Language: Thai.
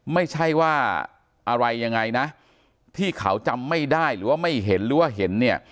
ไม่ใช่ว่าอะไรยังไงนะที่เขาจำไม่ได้หรือว่าไม่เห็นหรือว่าเห็นเนี่ย